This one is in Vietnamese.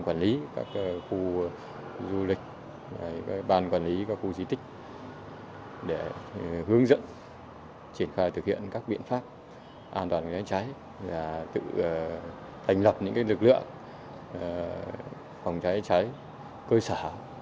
quyền bán quản lý các khu di tích để hướng dẫn triển khai thực hiện các biện pháp an toàn phòng cháy cháy và tự thành lập những lực lượng phòng cháy cháy cơ sở